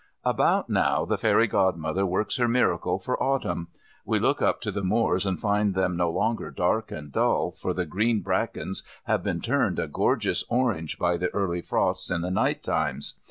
About now the fairy Godmother works her miracle for Autumn. We look up to the moors and find them no longer dark and dull for the green brackens have been turned a gorgeous orange by the early frosts in the night times.